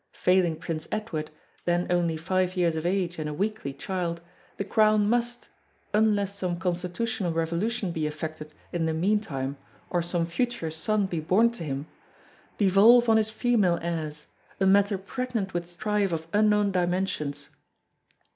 Failing Prince Edward, then only five years of age and a weakly child, the crown must unless some constitutional revolution be effected in the meantime or some future son be born to him devolve on his female heirs, a matter pregnant with strife of unknown dimensions.